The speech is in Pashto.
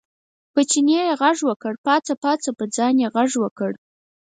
په چیني یې غږ وکړ، پاڅه پاڅه، پر ځان یې غږ وکړ.